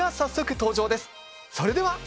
それでは。